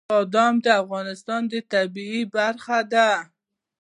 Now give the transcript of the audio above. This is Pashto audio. بادام د افغانستان د طبیعت برخه ده.